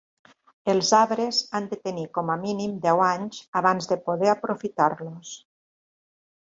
Els arbres han de tenir com a mínim deu anys abans de poder aprofitar-los.